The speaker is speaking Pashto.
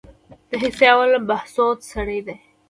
د حصه اول بهسود سړه ده